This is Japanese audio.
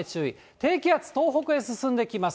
低気圧、東北へ進んできます。